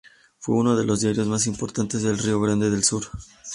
Fue uno de los diarios más importantes de Río Grande del Sur.